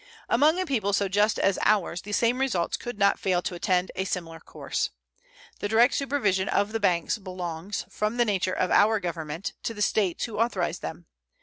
Among a people so just as ours the same results could not fail to attend a similar course. The direct supervision of the banks belongs, from the nature of our Government, to the States who authorize them.